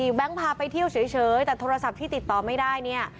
แบงค์พาไปเที่ยวเฉยแต่โทรศัพท์ที่ติดต่อไม่ได้เนี่ย